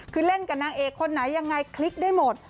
คือเล่นกับนางเอกคนไหนยังไงคลิกได้หมด